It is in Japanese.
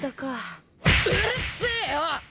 うるせえよ！